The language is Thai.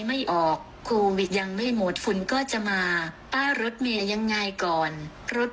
ไม่ออกโควิดยังไม่หมดฝุ่นก็จะมาป้ายรถเมย์ยังไงก่อนรถ